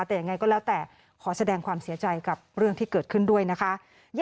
แต่ยังไงก็แล้วแต่ขอแสดงความเสียใจกับเรื่องที่เกิดขึ้นด้วยนะคะ